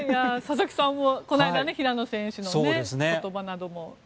佐々木さんもこの間平野選手の言葉なども。